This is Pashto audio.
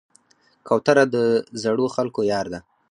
کوتره د زړو خلکو یار ده.